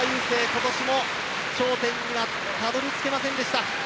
今年も頂点にはたどり着けませんでした。